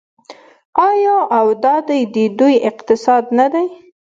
آیا او دا دی د دوی اقتصاد نه دی؟